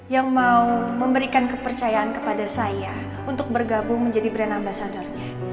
yang mau memberikan kepercayaan kepada saya untuk bergabung menjadi brand ambasadornya